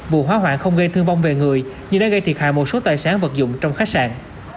vụ hỏa hoạn không gây thương vong về người nhưng đã gây thiệt hại một số tài sản vật dụng trong khách sạn